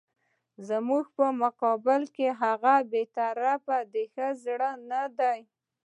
زموږ په مقابل کې د هغه بې طرفي د ښه زړه نه ده.